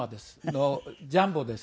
のジャンボです。